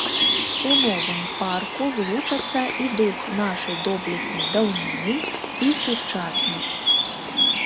У новым парку злучацца і дух нашай доблеснай даўніны, і сучаснасць.